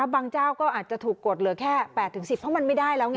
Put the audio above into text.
เจ้าก็อาจจะถูกกดเหลือแค่๘๑๐เพราะมันไม่ได้แล้วไง